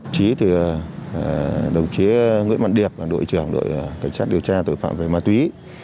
chí từ đồng chí nguyễn văn điệp và đội trưởng đội cảnh sát điều tra tội phạm về ma túy